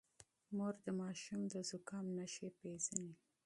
مور د ماشوم د زکام نښې پېژني.